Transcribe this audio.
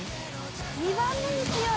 ２番目に強い。